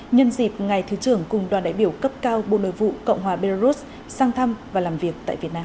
nhân dịp ngài thứ trưởng cùng đoàn đại biểu cấp cao bộ nội vụ cộng hòa belarus sang thăm và làm việc tại việt nam